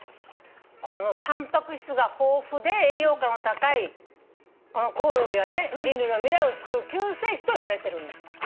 このタンパク質が豊富で栄養価の高いこのコオロギはね人類の未来を救う救世主といわれてるんです。